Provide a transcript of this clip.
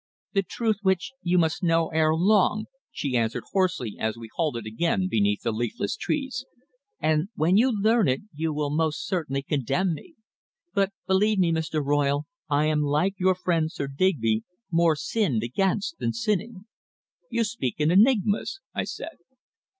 "The truth which you must know ere long," she answered hoarsely as we halted again beneath the leafless trees. "And when you learn it you will most certainly condemn me. But believe me, Mr. Royle, I am like your friend, Sir Digby, more sinned against than sinning." "You speak in enigmas," I said.